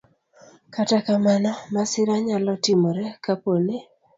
Kata kamano, masira nyalo timore kapo ni